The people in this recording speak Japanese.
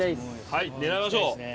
はい狙いましょう。